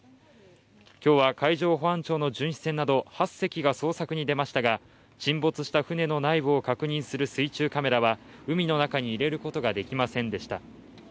今日は海上保安庁の巡視船など８隻が捜索に出ましたが沈没した船の内部を確認する水中カメラは海の中に入れることができませんでした。